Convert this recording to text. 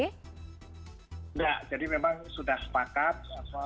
tidak jadi memang sudah sepakat